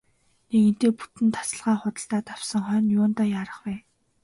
Нэгэнтээ бүтэн тасалгаа худалдаад авсан хойно юундаа яарах вэ.